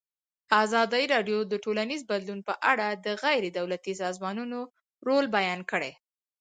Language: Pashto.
ازادي راډیو د ټولنیز بدلون په اړه د غیر دولتي سازمانونو رول بیان کړی.